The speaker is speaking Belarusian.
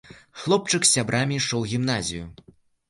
Хлопчык з сябрам ішоў у гімназію.